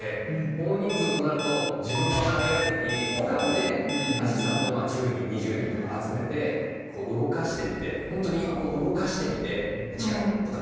大人数となると自分は入らずに俯瞰でアシスタントを１０人２０人とか集めて動かしてみて本当に動かしてみて違う！とかって。